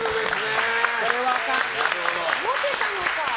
モテたのか。